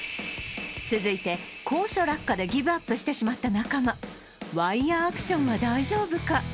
続いて高所落下でギブアップしてしまった中間ワイヤーアクションは大丈夫か？